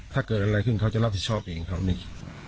ถ้าเกิดอะไรขึ้นเขาจะรับผิดชอบเองเขานี่